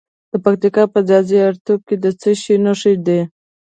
د پکتیا په ځاځي اریوب کې د څه شي نښې دي؟